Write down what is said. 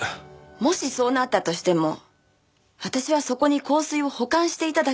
もしそうなったとしても私はそこに香水を保管していただけですよ。